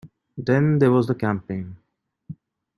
Then there was the campaign.